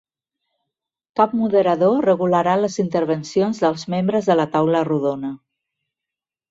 Cap moderador regularà les intervencions dels membres de la taula rodona.